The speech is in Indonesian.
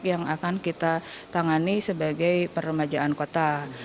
yang akan kita tangani sebagai peremajaan kota